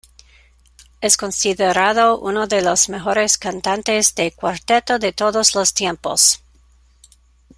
Es considerado uno de los mejores cantantes de cuarteto de todos los tiempos.